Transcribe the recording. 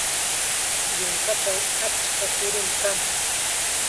Yunkachaw achka kurum kan.